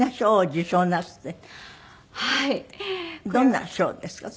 どんな賞ですか？